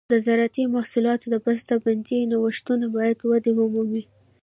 د زراعتي محصولاتو د بسته بندۍ نوښتونه باید وده ومومي.